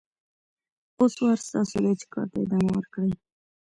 اوس وار ستاسو دی چې کار ته ادامه ورکړئ.